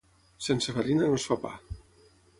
Sense farina no es fa pa.